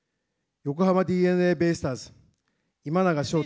横浜ＤｅＮＡベイスターズ、今永昇太。